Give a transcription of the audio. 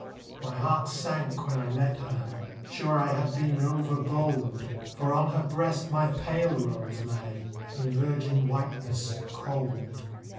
My heart sank when I met her: sure I had been overbold, For on her breast my pale rose lay In virgin whiteness cold.